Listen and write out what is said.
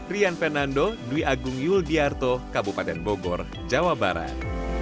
rian fernando dwi agung yuldiarto kabupaten bogor jawa barat